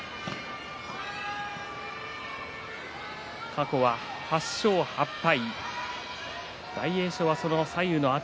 過去は８勝８敗。